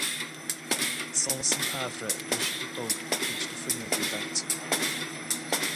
Solas an tsamhraidh ag briseadh go bog tríd na fuinneoga daite.